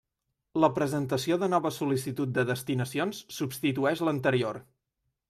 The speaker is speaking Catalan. La presentació de nova sol·licitud de destinacions substitueix l'anterior.